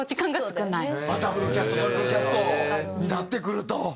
Ｗキャストトリプルキャストになってくると。